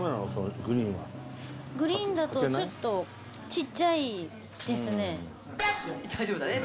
グリーンだとちょっとちっちゃいですね。